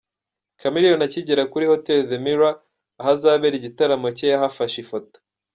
Chameleone akigera kuri Hotel The Mirror ahazabera igitaramo cye yahafashe ifoto.